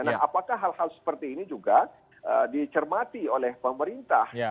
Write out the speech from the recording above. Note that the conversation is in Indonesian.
nah apakah hal hal seperti ini juga dicermati oleh pemerintah